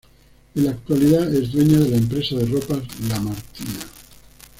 En la actualidad es dueña de la empresa de ropas La Martina.